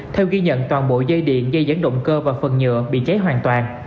theo ghi nhận toàn bộ dây điện dây dẫn động cơ và phần nhựa bị cháy hoàn toàn